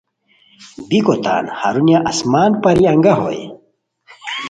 بیکو تان ہرونیہ آسمان پری انگہ ہوئے